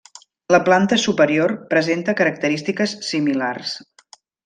La planta superior presenta característiques similars.